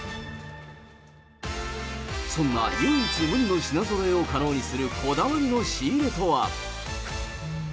そんな唯一無二の品ぞろえを可能にするこだわりの仕入れとは。